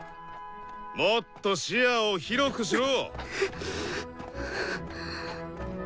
もっと視野を広くしろ！